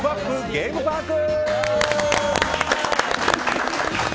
ゲームパーク。